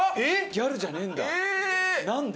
ギャルじゃねえんだ何で？